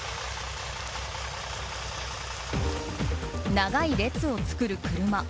長い列を作る車。